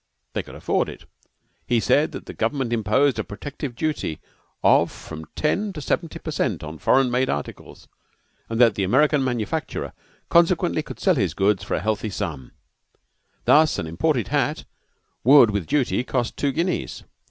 They could afford it. He said that the government imposed a protective duty of from ten to seventy per cent on foreign made articles, and that the American manufacturer consequently could sell his goods for a healthy sum. Thus an imported hat would, with duty, cost two guineas.